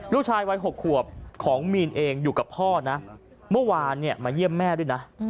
ลูกชายวัย๖ขวบของมีนเองอยู่กับพ่อนะเมื่อวานเนี่ยมาเยี่ยมแม่ด้วยนะ